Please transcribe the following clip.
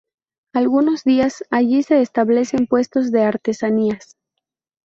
Algunos días allí se establecen puestos de artesanías.